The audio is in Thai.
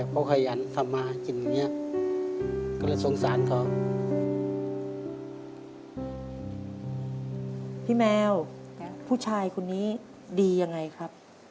พี่แมวผู้ชายคนนี้ดียังไงครับ